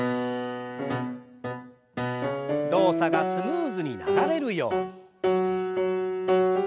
動作がスムーズに流れるように。